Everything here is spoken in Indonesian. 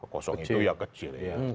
kosong itu yang kecil ya